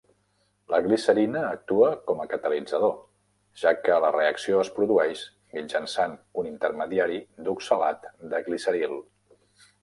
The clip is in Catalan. La glicerina actua com a catalitzador, ja que la reacció es produeix mitjançant un intermediari d'oxalat de gliceril.